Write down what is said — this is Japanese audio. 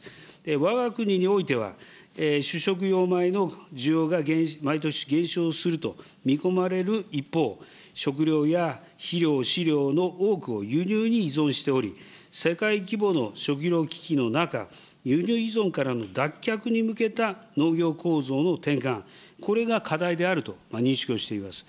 わが国においては、主食用米の需要が毎年減少すると見込まれる一方、食料や肥料、飼料の多くを輸入に依存しており、世界規模の食料危機の中、輸入依存からの脱却に向けた農業構造の転換、これが課題であると認識をしています。